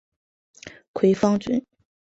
葵芳邨。